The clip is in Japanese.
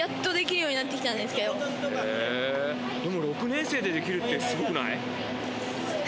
６年生でできるってすごくない？